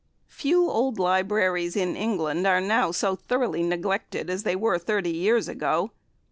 Few old libraries in England are now so thoroughly neglected as they were thirty years ago.